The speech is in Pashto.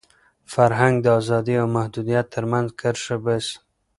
فرهنګ د ازادۍ او محدودیت تر منځ کرښه باسي.